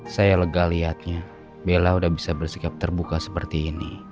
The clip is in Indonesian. saya lega lihatnya bella udah bisa bersikap terbuka seperti ini